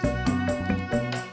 aku mau berbual